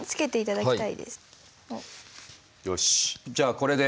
よしじゃあこれで。